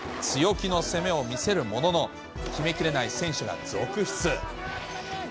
強気の攻めを見せるものの、決めきれない選手が続出。